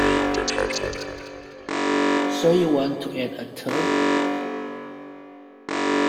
So you want to add a third?